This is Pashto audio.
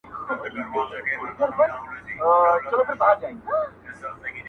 • ما پر اوو دنياوو وسپارئ، خبر نه وم خو.